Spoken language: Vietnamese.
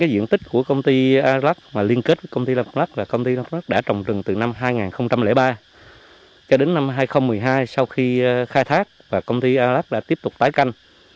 các diện tích của công ty arlac mà liên kết với công ty arlac và công ty arlac đã trồng rừng từ năm hai nghìn ba cho đến năm hai nghìn một mươi hai sau khi khai thác và công ty arlac đã tiếp tục tái canh